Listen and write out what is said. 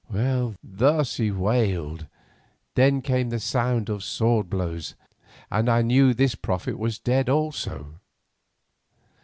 Thus he wailed, then came the sound of sword blows and I knew that this prophet was dead also.